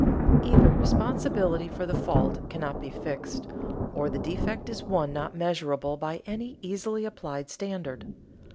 Either responsibility for the fault cannot be fixed, or the defect is one not measurable by any easily applied standard.